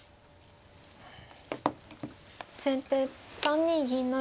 先手３二銀成。